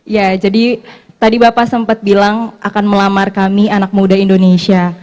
ya jadi tadi bapak sempat bilang akan melamar kami anak muda indonesia